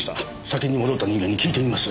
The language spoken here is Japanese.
先に戻った人間に聞いてみます。